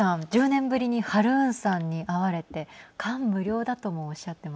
１０年ぶりにハルーンさんに会われて感無量だともはい。